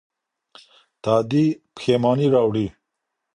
تادي پښيماني راوړي.